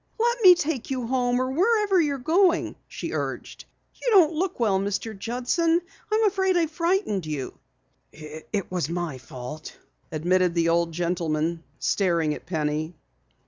"Let me take you home, or wherever you are going," she urged. "You don't look well, Mr. Judson. I am afraid I frightened you." "It was my fault," admitted the old gentleman, staring at Penny.